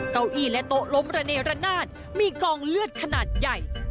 เก้าอี้และโต๊ะล้มระเนรนาศมีกองเลือดขนาดใหญ่